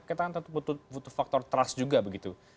kita kan tentu butuh faktor trust juga begitu